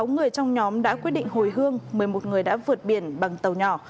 sáu người trong nhóm đã quyết định hồi hương một mươi một người đã vượt biển bằng tàu nhỏ